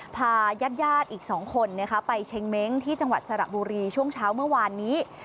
พาญาติอีก๒คนไปเช็งเม้งที่จังหวัดสระบุรีช่วงเช้าเมื่อวานนี้